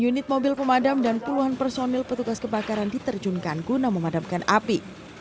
unit mobil pemadam dan puluhan personil petugas kebakaran diterjunkan guna memadamkan api